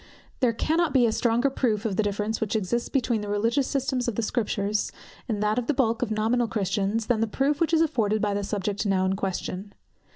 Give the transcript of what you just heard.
There cannot be a stronger proof of the difference which exists between the religious system of the Scriptures, and that of the bulk of nominal Christians, than the proof which is afforded by the subject now in question.